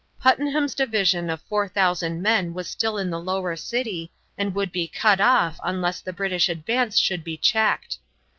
Puttenham's division of 4000 men was still in the lower city, and would be cut off unless the British advance should be checked.